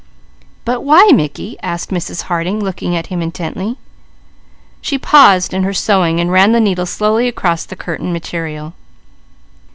"Why, Mickey?" asked Mrs. Harding, looking at him intently. She paused in her sewing, running the needle slowly across the curtain material.